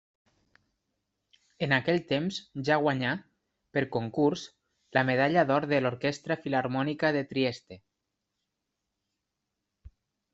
En aquell temps ja guanyà, per concurs, la medalla d'or de l'Orquestra Filharmònica de Trieste.